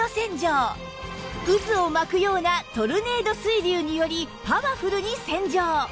渦を巻くようなトルネード水流によりパワフルに洗浄